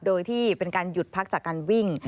โดยที่เป็นการหยุดพักจากการวิ่ง